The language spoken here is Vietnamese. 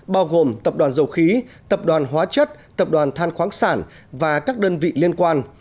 bao gồm tập đoàn dầu khí tập đoàn hóa chất tập đoàn than khoáng sản và các đơn vị liên quan